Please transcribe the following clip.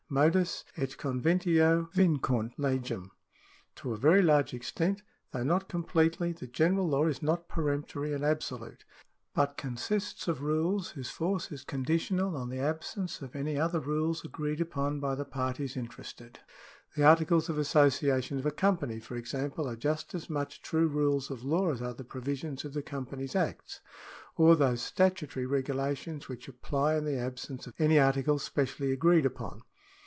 Modus et conventio vincunt legem. To a very large extent, though not completely, the general law is not peremptory and absolute, but consists of rules whose force is conditional on the absence 32 CIVIL LAW [§11 of any other rules agreed upon by the parties interested. The articles of association of a company, for example, are just as much true rules of law, as are the provisions of the Com panies Acts, or those statutory regulations which apply in the absence of any articles specially agreed upon.